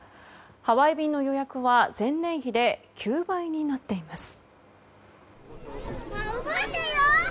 ハワイ便の予約は前年比で９倍になっています。